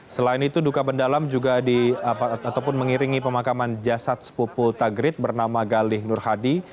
selain itu duka bendalam juga mengiringi pemakaman jasad sepupu tagrit bernama galih nur hadi